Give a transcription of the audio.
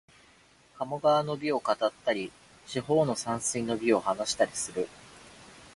鴨川の美を語ったり、四方の山水の美を話したりする